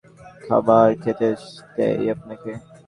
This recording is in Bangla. খাবার খেতে দেই আপনাকে।